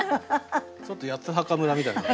ちょっと「八つ墓村」みたいな。